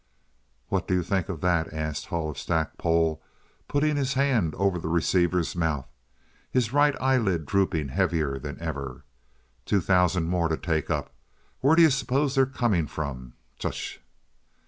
"What do you think of that?" asked Hull of Stackpole, putting his hand over the receiver's mouth, his right eyelid drooping heavier than ever. "Two thousand more to take up! Where d'you suppose they are coming from? Tch!"